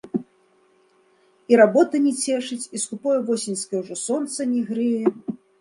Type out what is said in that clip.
І работа не цешыць, і скупое восеньскае ўжо сонца не грэе.